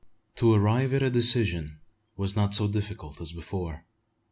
To arrive at a decision was not so difficult as before.